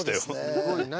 すごい。何？